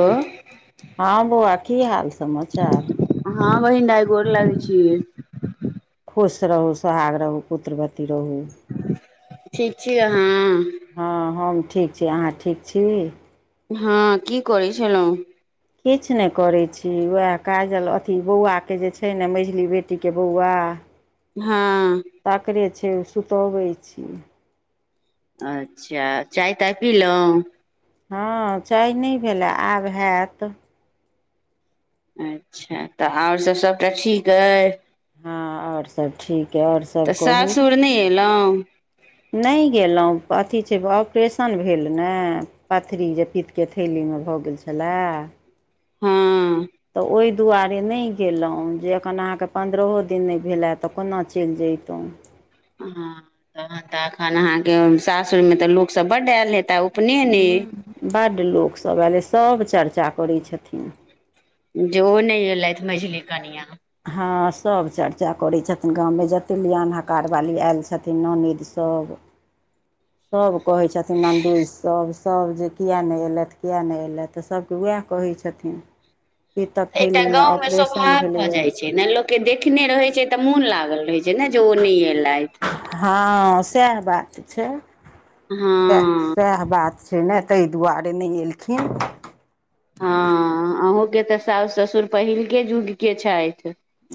ओ हँ बौआ की हाल समाचार हँ बहिन दाय गोर लागै छी खुश रहू सोहाग रहू पुत्रवती रहू ठीक छी अहाॅं हँ हम ठीक छी अहाँ ठीक छी हँ की करय छलहुं किछु नहि करै छी उएह काजल अथी बौआके जे छै ने मझली बेटीके बौआ हँ तकरे छै सुतबै छी अच्छा चाय ताय पीलहुँ हँ चाय नहि भेलै आब हैत अच्छा तऽ आओर सभ सभटा ठीक अइ हँ आओर सब ठीक अइ आओर तऽ सभ कहू सासुर नहि एलहुँ नहि गेलहुँ अथी छै ऑपरेशन भेल ने पथरी जे पितके थैली में भ गेल छलय हँ तो ओय दुआरे नहि गेलहुँ जे एखन अहाँके पन्द्रहो दिन नहि भेलए तऽ कोना चलि जैतहुँ अहां तहन तऽ एखन अहाँके सासुर में त लोक सब बड आयल हेता उपनयने बड्ड लोकसभ आयलै सभ चर्चा करै छथिन जे ओ नहि एलैथ मैझली कनिया हँ सभ चर्चा करै छथिन गाँवमे जतेक लीयान हकारवाली आयल छथिन नौनैद तब सभ कहै छथिन नन्दोइस सभ सभ जे किया नहि एलथि किया नहि एलथि तऽ सभके वैह कहै छथिन पीतक एकटा थैलीमे गाँमे ऑपरेशन स्वभाव भऽ भेलैए जाइ छै ने लोक के देखने रहैत छै तऽ मोन लागल रहै छै ने जे ओ नहि एलथि हँ सएह बात छै सएह हँ सएह बात से ने ताहि दुआरे नहि एलखिन हँ अहूँके तऽ सास ससुर पहिलके युगके छथि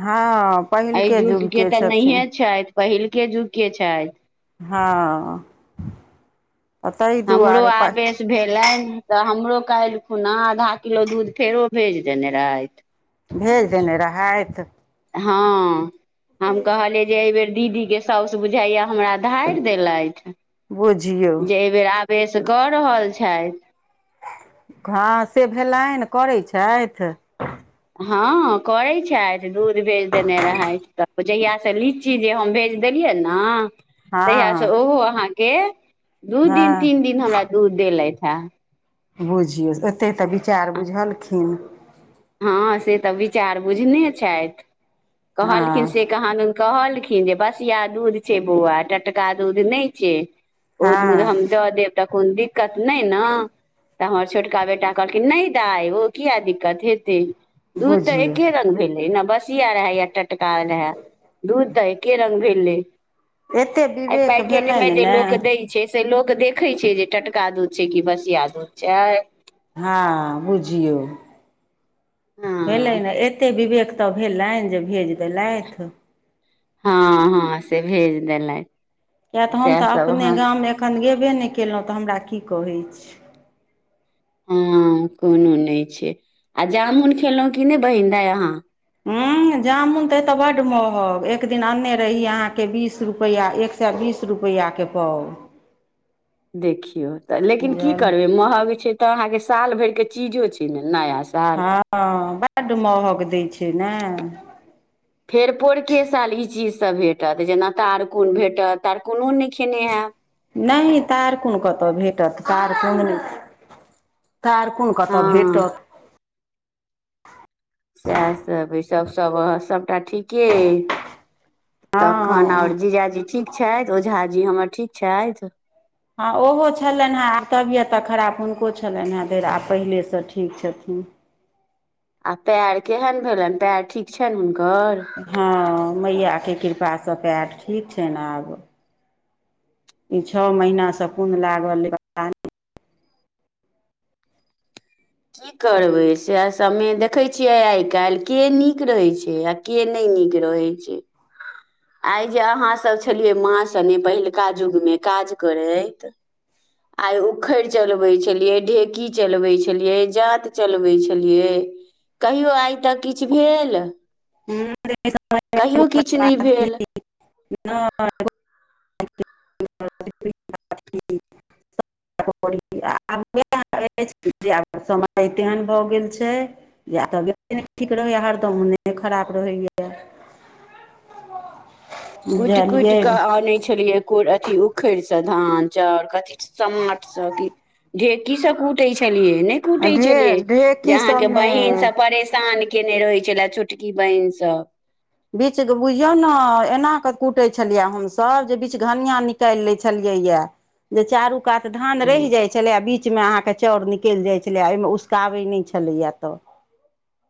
हँ अय पहिलके जुग के युगके तऽ छथिन नहिए छैथ पहिलके जुग के छैथ हँ तऽ ताहि हमरो दुआरे आवेश भेलईन तऽ हमरो कायल खुना आधा किलो दूध फेरो भेज देने रहैथ भेज देने रहैथ हँ हम कहलिय जे ऐय बेर दीदी के साउस बुझाइया हमरा धाईर देलईथ बुझियौ बेस कऽ रहल छैथ हँ से भेलैन करै छैथ हँ करै छैथ दूध भेज देने रहैत जहिया से लीची जे हम भेज देलियै ऐना तहिया से हँ ओहो अहाँ के दू दिन तीन हँ दिन हमरा दूध देलैथ हँ बुझियौ तेत्तेक तऽ विचार बुझलखिन हँ से तऽ विचार बुझने छथि कहलखिन से हँ कहा दुन कहलखिन जे बसिया दूध छै बौआ टटका दूध नै छै ओ दूध हँ हम दऽ देब तऽ कोनो दिक्कत नय न तऽ हमर छोटका बेटा कहलखिन नय दाय किया दिक्कत हे दूध तऽ बुझियौ एके रंग भेलै न बस सिया रहे या टटका रहै दूध तऽ एके रंग भेले एते आ विवेक पैकेट मे भेलनि जे ने लोक दै छै से लोक के देखे छै जे टटका दूध छै कि बसिया दूध छै हँ बुझियौ भेलै हँ न एतेक विवेक तऽ भेलैन जे भेज देलैथ हँ हँ से भेज देलै किया तऽ हम तऽ अपने गाम मे एखन गेल बे नय केलहुँ तऽ हमरा की कहैछ हँ कोनो नय छै आ जामुन खेलहुँ कि नय बहिन दााय अहाँ ह जामुन ते एते बड महगं एक दिन अन्ने रहिय अहाँ के बीस रुपआ एक स बी बिस रुपैआ के पााव देखियौ तऽ लेकिन की करबै महग छै त अहाँ के साल भर के चीजो छै ने नया साल हँ बड्ड महंग दै छै ने फेर पौरके साल ई चीज तऽ भेटत जेना तारकून भेटत तारकूनो नै खेने हैब नै तारकून कतऽ भेटत तारकून नै तारकून कतऽ हँ भेटत सएह सब सब सब सभटा ठीके अए तखन आओर हँ जीजाजी ठीक छथि ओझाजी हमर ठीक छथि। हँ ओहो छलैन हें आब तबियत तऽ खराब हुनको छलैन हें धरि आब पहिले सँ ठीक छथि हूँ आ पैर केहन भेलैन पैर ठीक छैन हुनकर हँ मैयाके कृपासँ पैर ठीक छैन आब ई छौ महीनासँ कोन लागल रहै पता नै [unintelligible] की करबै सएह समय देखैत छियै आइ काल्हि के नीक रहैत छै आ के नहि नीक रहै छै आइ जे अहाँसब छलियै माँ संगे पहिलका जुग मे काज करैत आइ उखड़ि चलबै छलिये ढेकी चलबे छलियै जांत चलबै छलियै कहियो आइ तक किछ भेल कहियो किछ नै भेल समय [inaudible] [unintelligible] समय तेहन भऽ गेल छै जे आब तऽ ठीक रह हरदम [unintelligible] मोने खराप रहैए कुटि कुटि कऽ अनै छलियै कोरि अथी उखड़ि सँ तऽ धान चाउर कथी समाट सब की ढेकी सँ कूटै छेलियै कुटै छलियै ढेर जे ढेकी अहाँके सबमे बहिन सब परेशान केने रहै छलैये छोटकी बहिन सँ बीच बुझियौ ने एना कऽ कूटै छलियै हमसभ जे बीच घनियां निकालि लै छलियै में जे चारू कात धान हँ रहि जाय छलै आ बिच बीचमे अहाँके चाउर निकलि जाइ छलैए एहिमे उसकाबै नहि छलैए तऽ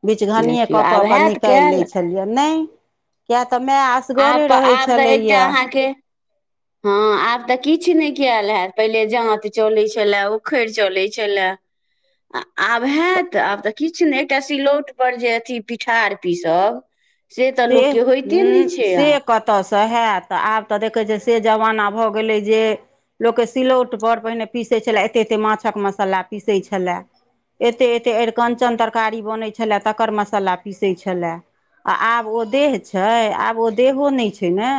बिचघनिए कऽ देखियौ कऽ आब कऽ हैत निकालि लै कयल छलियै नहि किए तऽ तऽ मे असगरे आब तऽ रहै आब तऽ एकटा छलैया अहाँके हँ आब तऽ किछु नहि कयल हैत पहिले जाँत चलैत छलए उखड़ि चलैत छलए [unintelligible] आ आब हेत आब तऽ किछु नहि एकटा सिलौट पर जे अथी पिठार पीसब से तऽ लोक के होइते नइ छै आब से कतयसँ हएत आब तऽ देखैत छियै से जमाना भऽ गेलै जे लोकके सिलौटपर पहिने पीसैत छलै एतेक एतेक माछक मसाला पीसैत छलै एते एते अरिकंचन तरकारी बनैत छलै तकर मसाला पीसैत छलै आ आब ओ देह छै आब ओ देहो नहि छै ने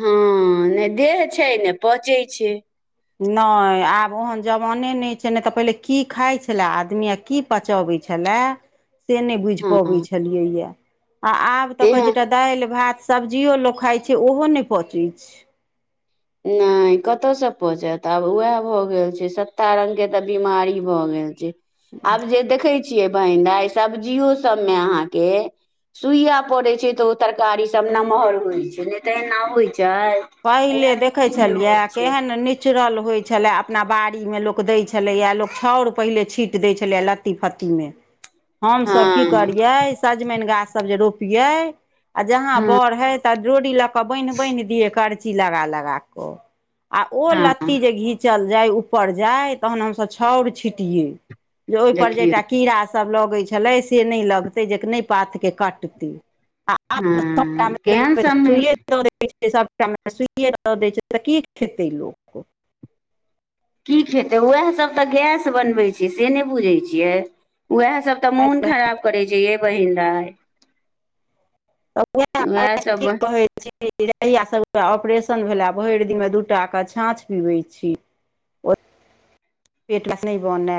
हँ ने देह छै ने पचै छै नहि आब ओहन जवाने नहि छै नहि तऽ पहिले की खाय छलै आदमी आ की पचबै होइ छलै से नहि बुझि हँ पबैत छलियैए आ आब तऽ देह कहैत छै एकटा दालि भात सब्जियो लोक खाइत छै ओहो नहि पचै छै नहि कतऽ सँ पचत आब उएह भऽ गेल छै सत्ता रंग के तऽ बिमारी भऽ गेल छै आब जे देखै छियै बहिन दाय सब्जियो सभमे अहाँके सुइया पड़ैत छै तऽ ओ तरकारी सभ नम्हर होइत छै नहि तऽ एना होइत छै [unintelligible] छलिये होइ छै केहन नेचुरल हो है छलै अपना बाड़ीमे लोक दै छलैए लोक छाउर पहिले छिट दै छलै लत्ती फत्तीमे हमसभ की हँ करियै सजमनि गाछसभ जे रोपियै आ जहाँ हँ बरहे तऽ डोरी लऽ कऽ बान्हि बान्हि दिय करची लगा लगा कऽ आ ओ हँ लत्ती जे घीचल जाय ऊपर जाय तखन हमसभ छाउर छिटियै जे ओहिपर जे एकटा देखियौ कीड़ासभ लगैत छलै से नय लगतै जे नइ पातके कटतै आ आब त सब काम हँ म केहन देखबै समय छै सुइये चलै छै से सभटा सुइए दऽ दै छै तऽ की खेतै लोक की खेतै उएहसभ तऽ गैस बनबै छै से नय बुझै छियै उएह सब तऽ मोन खराब करे छै ये बहिन दाई [unintelligible] जहिया सभके ऑपरेशन भेलए भरि दिनमे दूटा कऽ छाँछ पीबै छी ओ [inaudible] पेट मऽ गैस नय बनै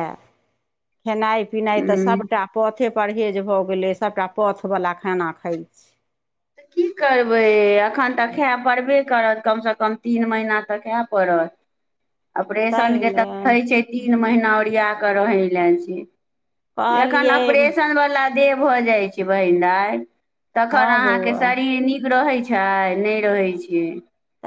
खेनाइ पिनाइ तऽ सबटा पथे परहेज भऽ गेलै सभटा पथवला खाना खाइ छी त की करबै एखन तऽ खाय पड़बे करत कमसँ कम तीन महीना तऽ खााय पड़त तैँ ऑपरेशनके तऽ ने रहै छै तीन महीना ओरिया कऽ रहय लए छै जखन कहलियै ऑपरेशनवला देह भऽ जाइ छै बहिना दाई हँ बौआ नीक रहैत छै नहि रहैत छै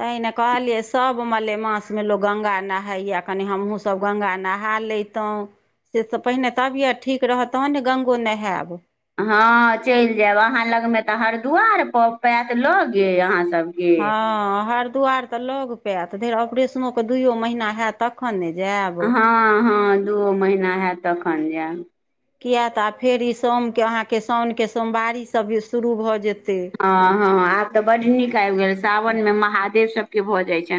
तहि ने कहलिये सब मलेमास में लोग गंगा नहााय या कनी हमहुूँ सबब गंगा नहा ले तंहु से तऽ पहिने तबियत ठीक रहत तहन ने गंगो नहायब हँ चलि जायब अहाँ लगमे तऽ हरिद्वार प पात लगे अहाँसभ हँ हरिद्वार तऽ लग पायत फेर ऑपरेशनोोके दुइयो महीना होत तखन ने जायब हँ हँ दूओ महीना हैत तखन जायब किए तऽ आ फेर ई सोमके अहाँके साउनके सोमवारीसभ शुरू भऽ जेतै हँ हँ आब तऽ बड्ड नीक आबि गेल सावनमे महादेव सभके भऽ जाइ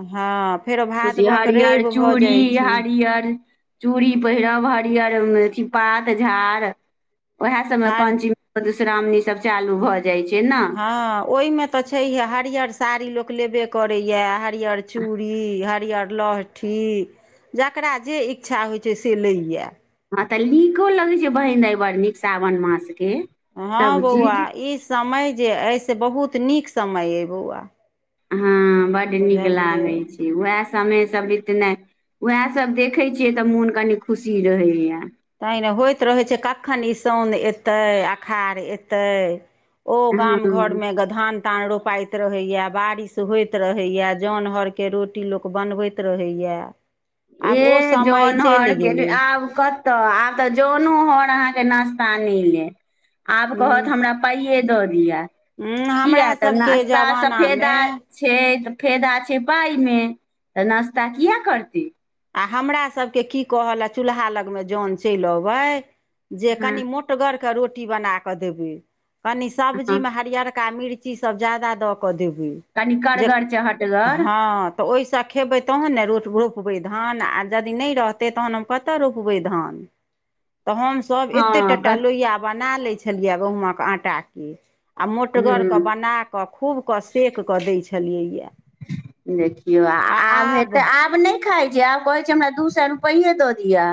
हँ फेरो भादवक रवि हरिहर भऽ जाइ चूड़ी छी हरियर चूड़ी पहिरब हरियर अथि पात झाड़ उएह सभमे हार पंचमी मधुश्रावणी सभ चालू भऽ जाइ छै ने हँ ओहिमे तऽ छैहे हरियर साड़ी लोक लेबे करैए हरिअर चूड़ी हरियर लहठी जकरा जे इच्छा होइ छै से लैए आ तऽ नीको लगे छै बहिन अई बड़ नीक सावन मास हँ बौआ ई समय जे अइ से बहुत नीक समय अइ बौआ हँ बड्ड नीक बुझलियै लागैत छै उएह समय सब एतना उएह सब देखे छियै तऽ मोन कनी खुशी रहैया तै ने होइत रहै छै कखन ई साउन एतै अषाढ़ एतै ओ हँ गाम घर में गधान तान रोप पाइत रहैय बारिश होइत रहैय जान हरके रोटी लोक बनबैत रहैय एह जनहर गेलैय आब कतऽ आब तऽ जनो हर अहाँके नास्ता नहि ले आब कहत हूँ हमरा पाइए दऽ दिअ हूँ किया हमरा तऽ सभके नाश्ता स जमानामे फेदा छै फायदा छै पाय मे तऽ नाश्ता किया करतै आ हमरासभके की कहलए चूल्हा लगमे जन चलि अबै जे हँ कनि मोटगरके रोटी बना कऽ देबै कनि हँ सब्जीमे हरियर का मिर्ची सब जादा दऽ कऽ देबै कनि जे करगर चहटगर हँ तऽ ओहिसँ खेबै तहन ने रो रोपबै धान आ जदि नहि रहतै तहन हम कतऽ रोपबै धान तऽ हमसभ एतेक हँ टटा क लोहिआ बना लैत छलियै गहुमक आँटाके आ हूँ मोटगरके बनाकऽ खूब कऽ सेक कऽ दै छलियैया देखियौ आ आब हेतै आब नहि खाय छै आब कहै छै हमरा दू सए रुपैए दऽ दिआ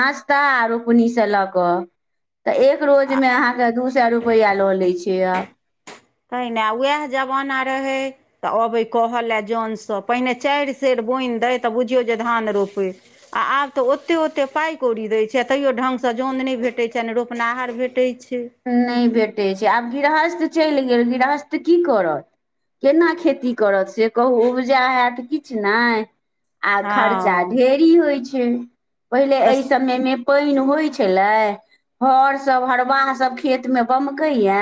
नाश्ता रोपनी स लऽ कऽ तऽ एक रोजमे अहाँके दू सए रुपैआ लऽ लै छै आब पहिने उएह जमाना रहै तऽ अबे कहल जनसँ पहिने चारि सेर बोनि द तऽ बुझियौ जे धान रोपै आ आब तऽ ओते ओेते पाय कौड़ी दै छै तैयो ढंग सँ जन नहि भेटैत छै नहि रोपनहार भेटै छै नहि भेटै छै आब गिरहस्थ चलि गेल गिरहस्थ की करत केना खेती करत से कहू उबजा हेत किछ नहि आ हँ खर्चा ढेरी होइ छै पहिले एहि तऽ समयमे पानि होइ छलै हर सब हरबाह सब खेतमे बमकैया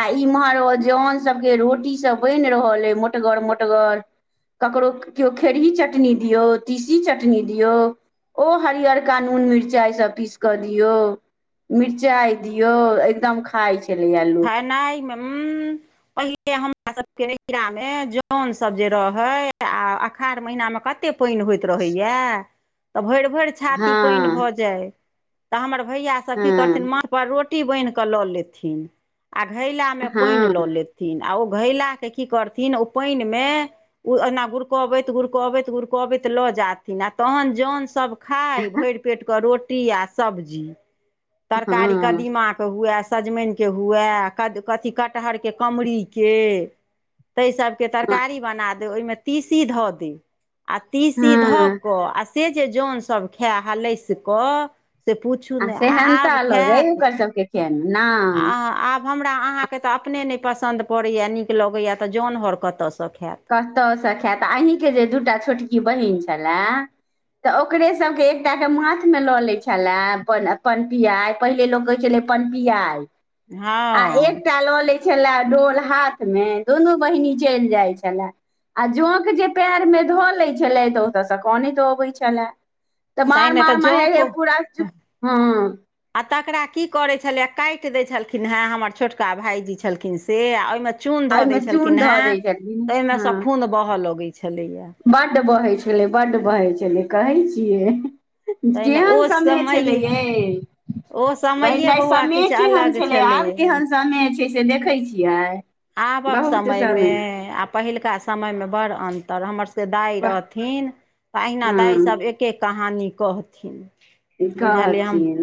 आ इम्हर जन सभके रोटीसभ बनि रहल अइ मोटगर मोटगर ककरो केओ खेरही चटनी दियौ तीसी चटनी दियौ ओ हरियरका नून मिरचाइसब पीस कऽ दियौ मिरचाइ दियौ एकदम खाइ छै खेनाय मे हं पहिने हम हमरा सभके नहिरामे जनसभ जे रहै आ अखाढ़ महिनामे कते पाइन होइत रहै यैऽ तऽ भैर भैर छाती पाइन हँ भऽ जाय तऽ हमर भैया सब की करथिन हँ माथ पर रोटी बान्हि क लऽ लेथिन आ घैला मे पाइन हँ लऽ लेथिन आ ओ घैला के की करथिन ओ पानि मे ओ एना गुड़कबैत गुड़कबैत गुड़कबैत लऽ जाथिन आ तहन जोन सब खााय भरि पेट के रोटी आ सब्जी तरकारी हँ कदीमा के हुए सजमनिके हुए कद कथी कटहरके कमरीके ताहि सभके तरकारी बना दे ओहिमे तीसी धऽ देय आ तीसी धऽ हँ कऽ आ से जे जनसभ खाए हलैस कऽ से पूछू ने आ सेहन ता आब अलग अइ खैत ओकर सबके खेनाइ नहि आब हमरा अहाँके तऽ अपने नहि पसन्द पड़ैया नीक लगैया तऽ जैन हर कतऽसँ कतहुसँ खायत अहीके जे दू टा छोटकी बहिन घलैय तऽ ओकरे सभके एकटाके माथमे लऽ लै छलय अपन अपन पियाइ पहिनेे लोक कहै छलै पनपियाय आ हँ एकटा ल लेय छले डोल हाथ मे दुनू बहिनी चैल जाय छै छल आ जोंक जे पएरमे धऽ लैत छलथि तऽ ओतयसँ कनैत अबैत छलए तऽ तैँ मार नहि तऽ मार म जँ हे हे को पूरा हँ आ तकरा की करै छलैए काटि दै छलखिन हँ हमर छोटका भाइजी छलखिन से आ ओहिमे चून आ धऽ दै ओहिमे छलखिन चून हे धऽ दै छलखिन ओहिमे से खून बहअ लगै छै बड बहै छलै बड बहै छलै कहै छियै तहिने ओ केहन समय छलै आये ओ समये बहिनदाई बौआ समय किछु केहन अलग छलै आब केहन समय छै से देखै छियै आबक बहुत समयमे समय आ पहिलका समयमे बड़ अंतर हमर सबके दाय रहथिन अहिना हँ दाय सब एके कहानी कहथिन बुझलियै कहथिन हम